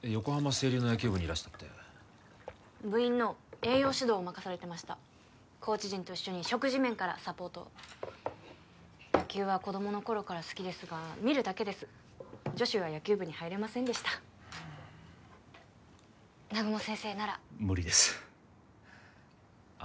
青隆の野球部にいらしたって部員の栄養指導を任されてましたコーチ陣と一緒に食事面からサポートを野球は子供の頃から好きですが見るだけです女子は野球部に入れませんでした南雲先生なら無理ですあ